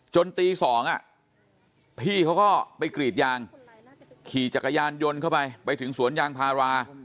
ตี๒พี่เขาก็ไปกรีดยางขี่จักรยานยนต์เข้าไปไปถึงสวนยางพารา